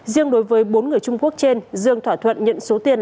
riêng đối với bốn người trung quốc trên dương thỏa thuận nhận số tiền